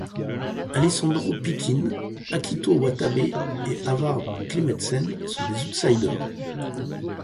Alessandro Pittin, Akito Watabe et Håvard Klemetsen sont des outsiders.